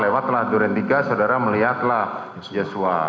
lewatlah duren tiga saudara melihatlah joshua